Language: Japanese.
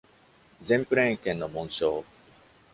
–ゼンプレーン剣の紋章。